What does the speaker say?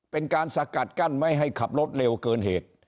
เป็นการสกัดกั้นไม่ให้ขับรถเร็วเกินเหตุ